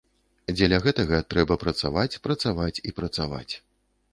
Дзеля гэтага трэба працаваць, працаваць і працаваць.